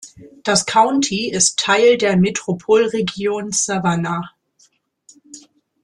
Das County ist Teil der Metropolregion Savannah.